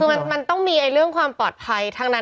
คือมันต้องมีเรื่องความปลอดภัยทั้งนั้น